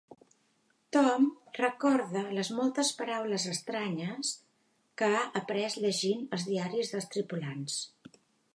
Tom recorda les moltes paraules estranyes que ha après llegint els diaris dels tripulants.